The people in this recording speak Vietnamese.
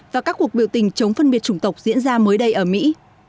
và các cuộc biểu tình chống phân biệt chủng tộc diễn ra mới đây ở mỹ